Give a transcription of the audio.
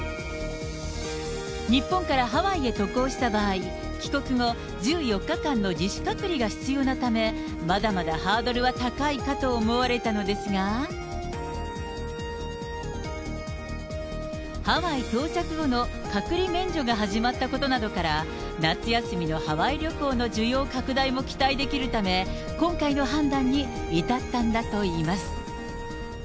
日本からハワイへ渡航した場合、帰国後、１４日間の自主隔離が必要なため、まだまだハードルは高いかと思われたのですが、ハワイ到着後の隔離免除が始まったことなどから、夏休みのハワイ旅行の需要拡大も期待できるため、今回の判断に至ったんだといいます。